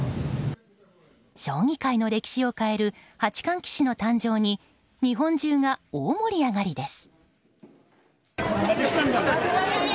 将棋界の歴史を変える八冠棋士の誕生に日本中が大盛り上がりです。